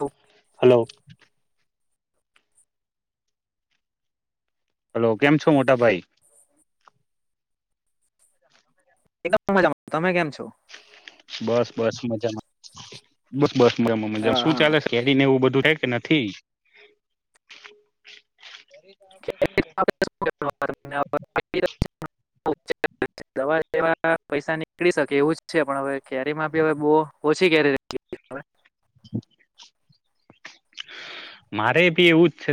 હા hello hello કેમ છો મોટાભાઈ એકદમ મજા તમે કેમ છો? બસ બસ મજામાં બસ બસ મજામાં મજામાં હા શું હા ચાલે કેરી ને એવું બધું થ કે નથી [unintelligible] [unintelligible] દવા જેવા પૈસા નીકળી શકે એવું જ છે પણ હવે કેરીમાં ભી હવે બ. [unintelligible] કી ક ર [inaudible] મારે ભી એવું જ છે.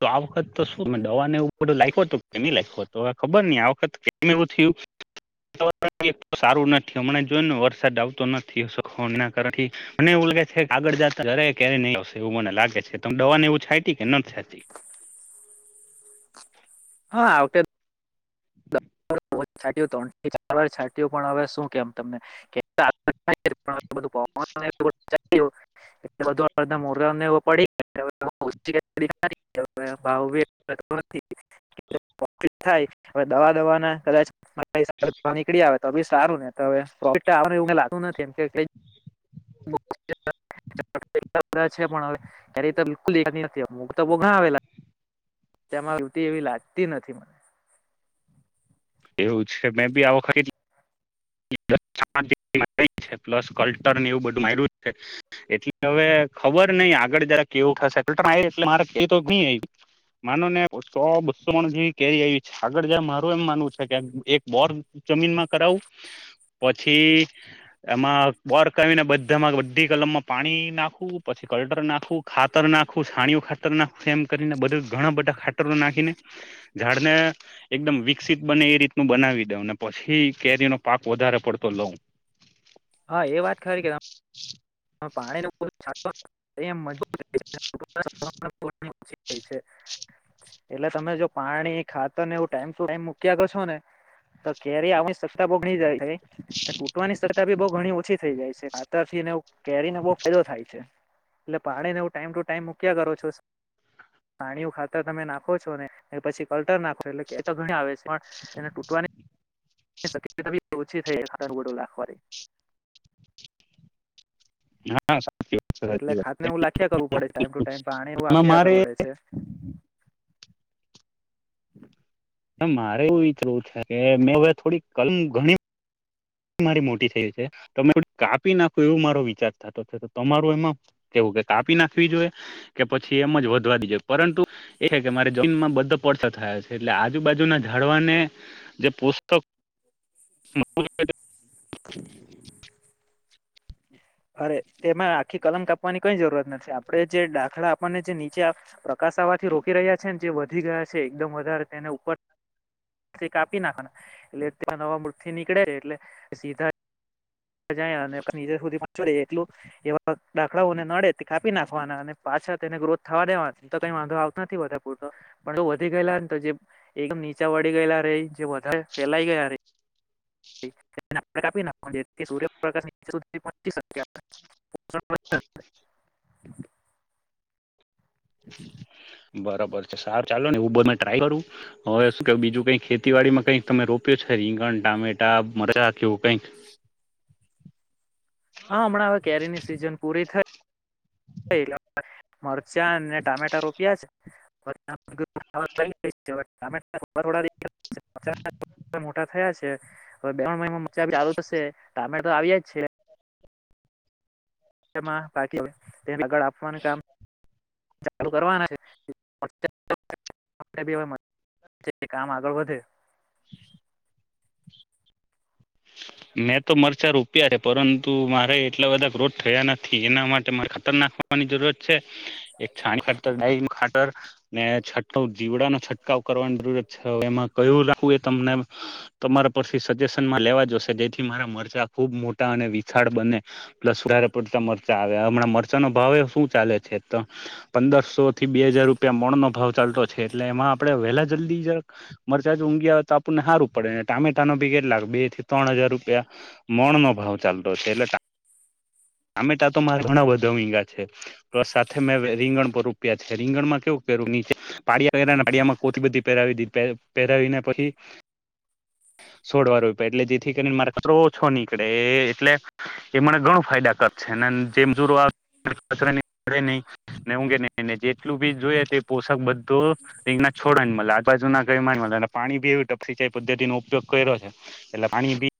તો આ વખત તો શું દવાને એવું બધું લખ્યું હતું કેમ લખ્યું હત હવે ખબર ન આ વખત કે એવું થયું. હ [unintelligible] વરણ સારું નથી મને જોય ને વરસાદ આવતો નથી એના કાર મને એવ. આગળ જતા જરે કે્યારે નહીં આવશે એવું મને લાગે છે તમ દવા ને એવું છાતી કે નથ છાતી. [inaudible] હા આવતે છા ત્રણ ચાર વાર છાંટ્યું પણ હવે શું કેમ તમને. [unintelligible] બ બધૂ અડધા મોરનેવ પડી. [inaudible] [inaudible] પ્રફિ થાય હવે દવા દવાના. કદાચ [unintelligible] નીકળી આવે તો બી સારું ને હવે પફિટ એવું લાગતું નથી એમ કે. [inaudible] બધા છે પણ યારે બિલકુલ [unintelligible] હ તો બહુ ઘા આવેલા. તેમાં યુતિ એવી લાગતી નથી મને. એવું જ છે મેં બી આ વખતે જ. [inaudible] પ્લસ કલ્ટર એવું બધું મા્યું છે એટલે હવે. ખબર નહીં આગળ જરા કેવું થશે એટલે મારે એ તો નઈ. માનો ને સો બસોણ જેવી કેરી આવી છે આગળ જ મારું એમ માનવું છે કે એક બોર. જમીનમાં કરાવું. પછી એમાં વર્કને બધામાં બધી કલમમાં પાણી નાખવું પછી કલટર નાખવું ખાતર નાખવું છણીયુ ખાતર નાખવું એમ કરીને બધા ઘણા બધા ખાત. તર નાખીને ઝાડને એકમ વિકસિત બને એ રીતનું બનાવી દવ પછી કેરીનો. પાક વધારે પડતો લઉં. હા એ વાત ખરી કે ત. પાણી મજબૂત. [inaudible] છીઈ છે. એટલે તમે જો પાણી ખાતરને એવું ટાઈમ ટુ ટાઈમ મૂક્યા ગ છો ને. તો કેરી આવવાની સત્તા બહુ ઘણી જાય છે તૂટવાની સત્તા ભી બહુ ઘણી ઓછી થઈ જાય છે કાતર થી ને. કેરીને બહુ ફાયદો થાય છે એટલે પાણીને હું ટાઈમ ટુ ટાઈમ મૂક્યા કરો છો. પાણીયું ખાતર તમે નાખો છો ને પછી કલટર નાખો એટલે એ તો ઘણી આવે છે પણ એને તૂટવાની. હ શક્યતા બી ઓછી થઈ એ ખાતાનું ગટો લખવાની. હા. સાચી વાત છે એટલે સાચી વાત ખાદ ને હું લખ્યા કરવું પડે છે ટાઈમ ટુ ટાઈમ પાણીું એમાં આપ્યા મારે કરવું પડે છે. [unintelligible] [inaudible] મારે એવું વિચારવું છે કે મેં હવે થોડી કલમ ઘણી. મારી મોટી થઈ છે તમે કાપી નાખો એવું મારો વિચાર થતો તો તમારું એમાં કેવું. કાપી નાખવી જોઈએ કે પછી એમ જ વધવા દી જોઈએ, પરંતુ એ છે કે મારે જમીનમાં બધા પડ થયા છે, એટલે આજુબાજુના જાઝડવાને જે પોસ્ક મળવું અરે તેમાં આખી કલમ કાપવાની કઈ જરૂરત નથી, આપડે જે દાખલા આપણને જે નીચે પ્ર સાવાથી રોકી રહ્યા છે ને જે વધી ગયા છે એકદમ વધારે, તેને ઉપર કાપી નાખવાના, એટલે ત્યાં નવા મૂળથી નીકળે એટલે સીધા જાય અને નીચે સુધી કાચું રહી જાય એટલું એવા દાખલાઓને નડે તે કાપી નાખવાના અને પા અચ્છા તેને ગ્રોથ થવા દેવાય તો કઈ વાંધો આવતો નથી બા પૂરતો, પણ વધી ગયેલા ને તો જે એકદમ નીચા વળી ગયેલા રે, જે વધારે ફેલાઈ ગયયા રે [unintelligible] ના સર્યપકાશ પચી એ [inaudible] છે [inaudible] બરોબર છે. સારું ચાલો ને હું બધ ટ્રાય કરું, હવે શું કેય, બીજું કઈ ખેતીવાડી માં કઈક તમે રોપ્યો છે? રીંગણ, ટામેટા, મરચા કે એવું કઈક? હા, હમણાં હવે કેરીની સિઝન પૂરી થઈ, એટલે અવે મરચા ને ટામેટા રોપ્યા છે. [unintelligible] [unintelligible] હમણાં મોટા થયા છે. હવે બે ત્રણ મહિનામાં ચાલુ થશે. ટામેટ તો આવ્યાજ છે. [unintelligible] બાકી તેને આગળ આપવાનું કામ ચાલુ કરવાના છે. [unintelligible] આપણે બી હવે [unintelligible] કે કામ આગળ વધે. મેં તો મરચા રોપ પ્યા છે, પરંતુ મારે એટલા બધા ગ્રોથ થયા નથી, એના માટે મારે ખતરનાક હોવાની જરૂરત છે. એક છાં ખાતર ડાઈ નું ખાતર ને છઠ જીવડા નો છંટકાવ કરવાની જરૂરત છે, એમાં કયું રાખવું એ તમને, તમારા પરથી સજેશનમાં લેવા જોશે, જેથી મારા મરચા ખુબ મોટા અને વિશાળ બને, પ્લસ સુધારા પડતા મરચા આવે, હમણાં મર ચાના ભાવે શું ચાલે છે, તો પંદરસો થી બે હજાર રૂપિયા મણનો ભાવ ચાલતો છે, એટલે એમાં આપણે વહેલાજ જલ્દી જરાક મરચા જો ઊગી અવે તો આપણને હારું પડે, ને ટામેટાના ભી કેટલાક બે થી ત્રણ હજાર રૂપિયા મણ નો ભાવ ચાલતો છે, એટલે ટામેટા તો મારા ઘણા બધા ઊંગીયા છે પ્લસ સાથે મેં રીંગણ પર રૂપિયા છે. રીંગણમાં કેવું કર્યું કે પાડીયા કર્યા ને પાડિયામાં કોથી બધી પહેરાવી દીધી, પહેરાવીને પછી સોડવાર રોપિયા એટલે જેથી કરીને મારે કચરો ઓછો નીકળે એ એટલે એ મને ઘણું ફાયદાકારત છે અને જે મજૂરો આવે [unintelligible] નહી ને [unintelligible] નહી ને જેટલું બી જોઈએ તે પોષક બધો રીંગણા છોડેને મલે, આ બાજુના એમાંજ મળે ને પાણી બી એવું સિંચાઈ પદ્ધતિ નો ઉપયોગ કર્યો છે, એટલે પાણી બી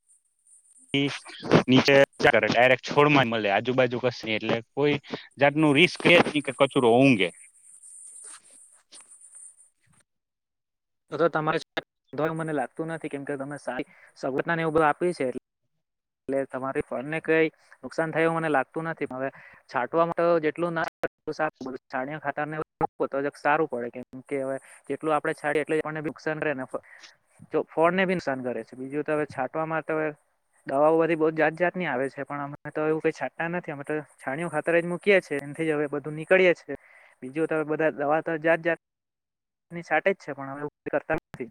ભી નીચે ડાયરેક્ટ છોડ માંજ મલે આજુબાજુ કસે ની એટલે કોઈ જાતનું રિસ્ કે કચરો [unintelligible] તો તો તમારી [unintelligible] મને લાગતું નથી કેમ કે તમે સારી સંઘટનાને ઉભ આપી છે એટલે એટલે તમારી ફળ ને કઈ નુકસાન થયું, મને લાગતું નથી. હવે છાંટવા માટે જેટલું ના [unintelligible] છાણીયા ખાતર ને નાખો તો એ સારું પડે, કેમ કે અવે જેટલું આપડે છાડીએ ને નુકસાન રેહ ને જો ફળને ભી નુકસાન કરે છે, બીજુંવે છાંટવામાં દવાઓ બધી બોવ જાત જાત ની આવે છે, પણ અમે તો એવું કઈ છાટતા નથી, અમે તો છાણીઓ ખાતર જ મૂકીએ છીએ જ હવે બધું નીકળીે, બીજું તો બધા દવા તો જાત જાતની છાંટેજ છે. પણ અવે એવું કરતા નથી.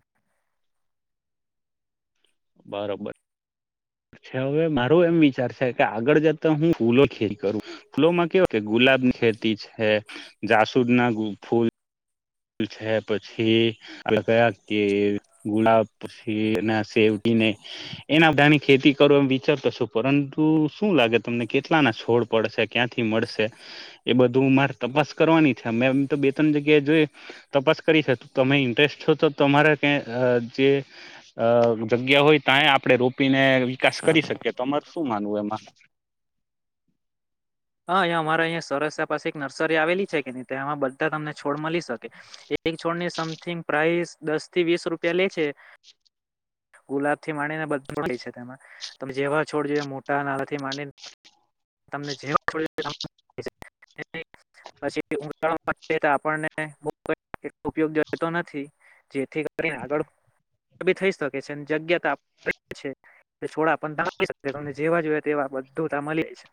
બરોબર અચ્છા, હવે મારું એમ વિચાર છે કે આગળ જતા હું ફૂલો ખેરી કરું. ફૂલોમાં કેવા કે ગુ લાબની ખેતી છે, જાસુરના ફૂલ છે, પછી [unintelligible] કે ગુડા પછી સેવટી એના બધાની ખેતી કરો એમ વિચારતો પરંતુ શું લાગે તમને કેટલા ના છોડ. પડશે ક્યાંથી મળશે એ બ તો મારે તપાસ કરવાની છે, અમે એમ તો બે ત્રણ જગ્યાએ જોઈ તપાસ કરી છે. તમે ઇન્ટરેસ્ટ છો તો તમારા [unintelligible] જે જગ્યા હોય ત્યાંય આપણે રો આપીને વિકાસ કરી શકીએ તો અર શું માનવું એમાં. અ અમારા અંયા સરસ પાસે એક નર્સરી આવેલી છે, કે નમાં બધા તમને છોડ મળી શકે એક છોડ. સમિંગ પ્રઇસ દસ થી વીસ રૂપિયા લે છે. [unintelligible] ગુલાબ થી માંડીને બધ થાય છે, તેમાં તમે જેવા છોડ જોઈ મોટા નાવા થી માંડીને. તમને જેવું [unintelligible] [inaudible] ઉપયોગતો [unintelligible] નથી જેથી કરીને આગળ. બી થઈ શકે છે, જગ્યાતા છે. છોડા પણી શ તમને જેવા જોઈએ તેવા બધું ત મળી જ છે.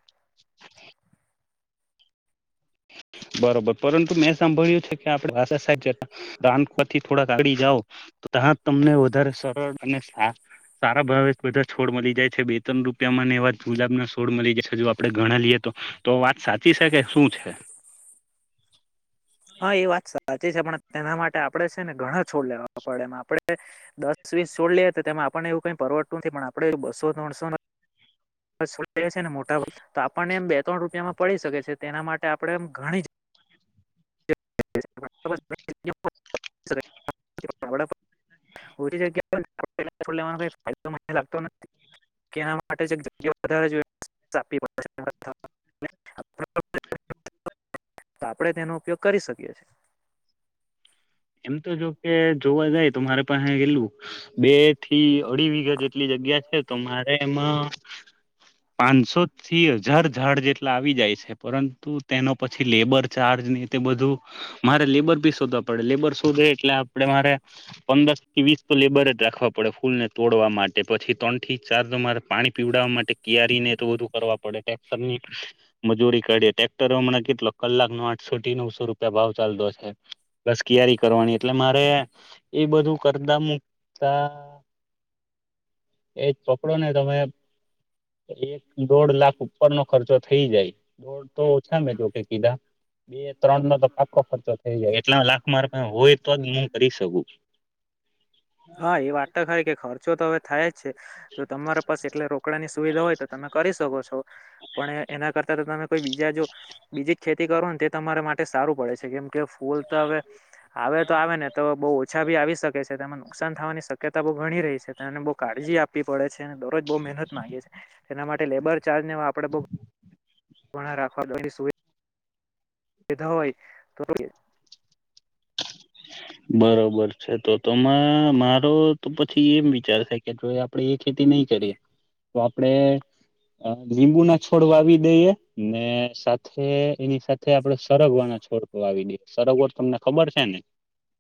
બરોબર. પરંતુ મેં સાંભળ્યું છે, કે આપડે ભાષા [unintelligible] ર થોડાક આગળ [unintelligible] વધ સરળ અને સારા ભાવ બધા છોડ મળી જાય છે, બે ત્રણ રૂપિયામાંને એવા જુ સોડ મળી જ છે, જો આપડણે ગણા લઈએ તો વાત સાચી છે, કે શું છે. હ એ વાત સાચી છે, પણ તેના માટે આપડે છે, ને ઘણા છોડ લેવા પડે એમ આપડે દસ વીસ છોડ. લ તેમાં આપણનેવું કઈ પરવડતું નથી પણ આપડે બસો ત્રણસો. [unintelligible] છે, ને મોટા ભાગ તો આપણને એમ બે ત્રણ રૂપિયામાં પડી શકે છે, તેના માટે આપણે એમ ઘણી જ. [unintelligible] ઓછી જગ્યા લેવા ફદો મને લાગતો નથી. કેના માટે જ જગ્યા વધારે [inaudible] [unintelligible] તો આપણે તેનો ઉપયોગ કરી [unintelligible] એમ તો જોકે જોવા જાય તો મારે પાસે કેટલું બે થી. અઢી વિઘા જેટલી જગ્યા છે તો મારે એમાં પાંચસો થી હજાર ઝાડ જેટલા આવી જાય છે, પરંતુ તેનો પછી લેબર ચાર્જ. [unintelligible] [unintelligible] એટલે આપણે મારે પંદર થી વીસ તો લેબરેટ રાખવા પડે ફૂલ ને તોડવા માટે પછી. ત્રણ થી ચાર તમામાર પાણી પીવડવા માટે કિયારીને તો વધુ કરવા પડે [unintelligible] મજૂરી. [unintelligible] હમણાં કેટલો કલાક નો આઠસો થી નવસો રૂપિયા ભાવ ચાલતો છે, બસ કારી. કરવાની એટલે મારે એ બધું કરતા મુકતા. એજ પકડો ને તમે. એક દોઢ લાખ ઉપર નો ખર્ચો થઈ જાય દોઢ તો ઓછા મેં જોકે કીધા. બે ત્રણ નો તો પાકો ખર્ચો થઈ જાય એટલા લાખ માં. હોય તો જ હું કરી શકું. હા એ વાત તો ખરી કે ખર્ચો તો હવે થાય [unintelligible] છે. જો તમારા પાસે એટલે રોકડાની સુવિધા હોય. બીજા જો બીજી ખેતી કરો ને તમારા માટે સારું પડે છે, કેમ કે ફૂલ તો હવે આવે તો આવે ને તો બહુ ઓછા ભી આવી શકે છે, [unintelligible] નુકસાન થવાની શક્યતા બહુ ગણી રહી છેને બહુ કાળજી આપવી પડે છે, અને દરરોજ બહુ મહેનત ગે છે. તેના માટે લેબર ચાર્જને આપણે બહુ. ઘણા રાખવા [unintelligible] ભેધા હોય તો. [unintelligible] બરોબર છે, તો તોમાં મારો તો પછી એમ વિચારશે કે જો આપડે એ ખેતી નહી. કરીએ તો આપણે. લીંબુ ના છોડ વાવી દઈએ ને સાથે એની સાથે આપડે સરગવા ના છોડ વા આવી દ સરગવર તમને ખબર છે ને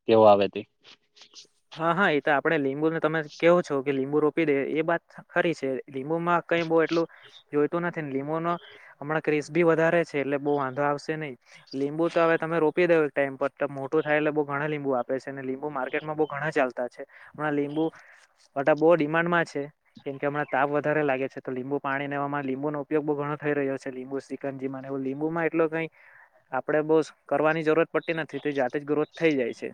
કેવો આવે તે. આપણે લીંબુને તમે કહવો છો કે લીંબુ રોપી દે એ બાત ખરી છે. લીંબુમાં કઈ બઉ એટલું જોઈતું નથી ને લીંબુ ન હમણાં ક્રિસ્ બી વધારે છે એટલે બહુ વાંધો આવશે નહી લીંબુ તો હવે તમે રોપી દઉ એક ટાઈમ પર તો મોટું થાય એટલે બઉ ઘણા લીંબુ આપે અને લીંબુ માર્કેટમાં બઉુ વટા બહુ ડિમાન્ડમાં છે કેમ કે હમણા તાપ વધારે લાગે છે તો લીંબુ પાણી એવામાં લીંબુ નો ઉપયોગ બહ ઘણો થઈ રહ્યો છે લીંબ સકનજી મને એવું લીબૂ મા એટલું કઈ આપડે બહ કરવાની જરૂરત પડતી નથી તે જાતે જ ગ્રોથ થઈ જાય છે.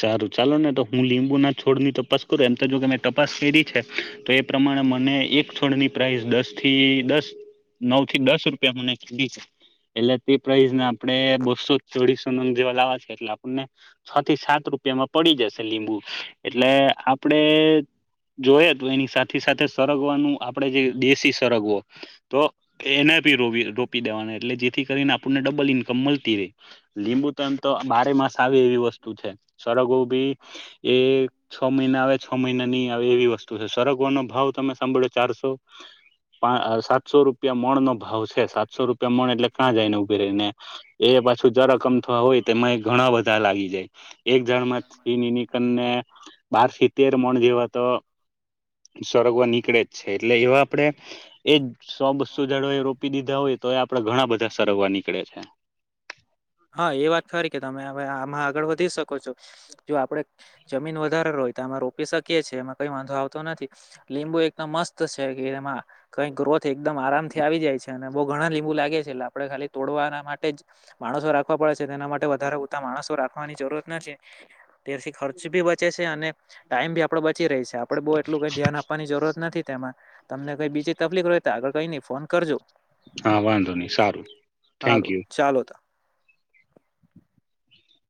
સારું ચાલો ને તો હું લીંબુના છોડની તપાસ કરું એમ તો જો કે મેં તપાસ કરી છે તો એ પ્રમાણે મને એક છોડની પ્રાઇસ દસ થી દસ નવ થી દસ રૂપિયા મને કીદી છે. એટલે તે પ્રાઈઝને આપડે બસો ચોળસો નો જેવા લાવવા છે એટલે આપણને છ થી સાત રૂપિયા એમાં પડી જશે લીંબુ એટલે આપડે જોય તો એની સાથે સાથે સરગવાનું આપડે જે દેશી સરગવો તો એને ભી રો રોપી દેવાના એટલે જે કરીને આપણને ડબલ ઇન્મ મળતી રહી લીંબુ ત તો બારે માસ આવે એવી વસ્તુ છે. સડપ બો બી એ છ મહિના આવે છ મહિના નહી આવે એવી વસ્તુ છે સરગવા નો ભાવ તમે સાંભળે ચારસો પા સાતસો રૂપિયા મોણ નો ભાવ છે સાતસો રૂપિયા મણ એટલે ક્યાં જાયને ઉભે રહીને. એ પાછું જ રકમ થવા હોય તેમાં એ ઘણા બધા લાગી જાય એક જણ માંથી ની નીકર ને બાર થી તેર મણ જેવા તો સરગવા નીકળે જ છે એટલે એવા આપડે એજ સો બસ્તુ જાળો એ રોપી દીધા હોય તો એ આપડે ઘણા બધા સરવવા નીકળે છે. હા એ વાત ખરી કે તમે હવે આમાં આગળ વધી શકો છો. જો આપડણે જમીન વધારે રય તો આમે રોપી શકીએ છીએ એમાં કઈ વાંધો આવતો નથી લીંબુ એકમ મસ્ત છે કે એમાં કઈ ગ્રોથ એકદમ આરામ થી આવી જાય છે અને બઉ ઘણા લીંબુ લાગે છે. આપણે ખાલી તોડવાના માટે જ માણસો રાખવા પડે છે તેના માટે વધારે ઉતા માણસો રાખવાની જરૂરત નથી છે. ત્યારથી ખર્ચ ભી બચે છે અને ટાઈમ બી આપડે બચી રહી છે આપડે બહુ એટલું કઈ ધ્યાન આપવાની જરૂરત નથી તેમ તમને કઈ બીજી તકલીફ હો તો આગળ કઈ નઈ ફોન કરજો. હા વાંધો નહી સારું થેન્ક સારું યુ. ચાલો